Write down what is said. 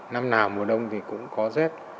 năm nào mùa đông thì cũng có rét